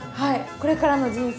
これからの人生